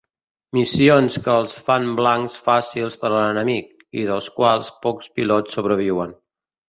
Missions que els fan blancs fàcils per a l'enemic, i dels quals pocs pilots sobreviuen.